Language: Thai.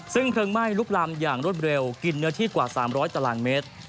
ซึ่งเพลิงไหม้ลุกลำอย่างรวดเร็วกินเนื้อที่กว่า๓๐๐ตารางเมตร